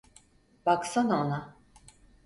Baksana ona.